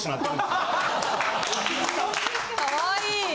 かわいい。